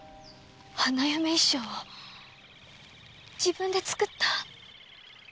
花嫁衣装を自分で作った？